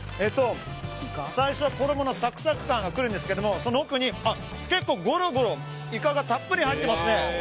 最初、衣のサクサク感が来るんですけどその奥に、結構ごろごろイカがたっぷり入っていますね。